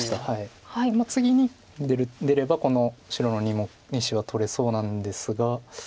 次に出ればこの白の２子が取れそうなんですが。